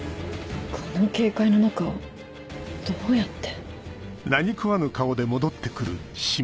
この警戒の中どうやって。